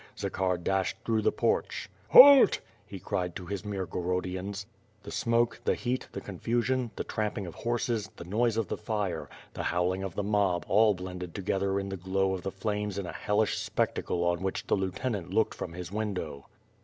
Zakhar dashed through the porch. "Halt!" he cried to his Mirgorodians. The smoke, the heat, the confusion, the tramping of horses, the noise of the fire, the liowling of the mob all blended to gether i the glow of the flames in a hellish spectacle on which the lieutenant looked from his window.